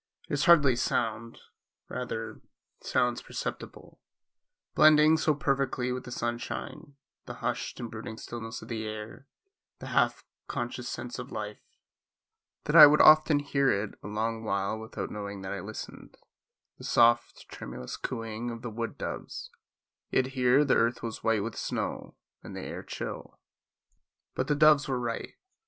It is hardly a sound—rather silence perceptible, blending so perfectly with the sunshine, the hushed and brooding stillness of the air, the half conscious sense of life, that I would often hear it a long while without knowing that I listened—the soft, tremulous cooing of the wood doves, yet here the earth was white with snow and the air chill. But the doves were right.